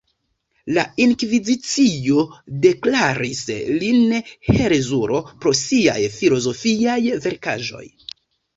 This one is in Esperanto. La inkvizicio deklaris lin herezulo pro siaj filozofiaj verkaĵoj.